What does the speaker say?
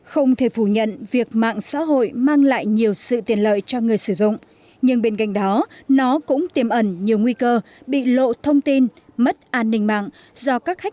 không thể phủ nhận việc mạng xã hội mang lại nhiều sự tiện lợi cho người sử dụng nhưng bên cạnh đó nó cũng tiềm ẩn nhiều nguy cơ bị lộ thông tin mất an ninh mạng